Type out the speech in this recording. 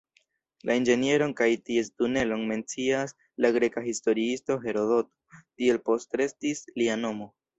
La inĝenieron kaj ties tunelon mencias la greka historiisto Herodoto, tiel postrestis lia nomo.